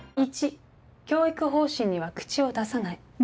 １教育方針には口を出さない